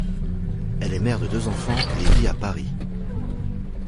Elle est mère de deux enfants et vit à Paris.